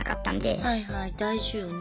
はいはい大事よね。